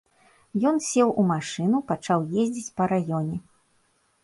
Ён сеў у машыну пачаў ездзіць па раёне.